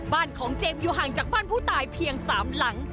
บ้านของเจมส์อยู่ห่างจากบ้านผู้ตายเพียง๓หลัง